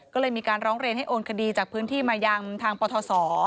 ก็เลยมีการร้องเรียนให้โอนคดีจากพื้นที่มายังทางปทศ